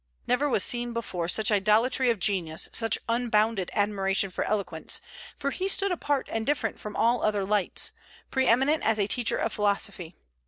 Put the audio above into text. Never was seen before such idolatry of genius, such unbounded admiration for eloquence; for he stood apart and different from all other lights, pre eminent as a teacher of philosophy.